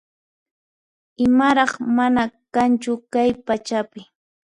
Imaraq mana kanchu kay pachapi